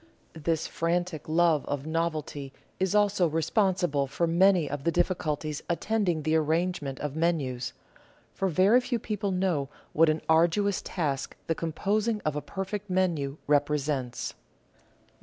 This frantic love of novelty is also responsible for many of VIU PREFACE the difficulties attending the arrangement of menus ; for very few people know what an arduous task the composing of a perfect menu represents.